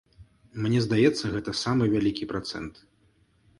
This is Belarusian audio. Мне здаецца, гэта самы вялікі працэнт.